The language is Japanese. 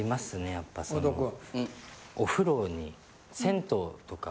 やっぱそのお風呂に。